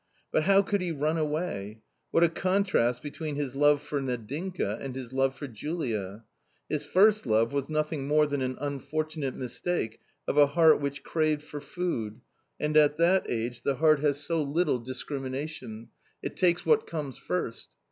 But how could he run away ? What a contrast between his love for Nadinka and his love for Julia. His first love was nothing more than an unfortunate mistake of a heart which craved for food, and at that age the heart has so little A COMMON STORY 177 discrimination ; it takes what comes first.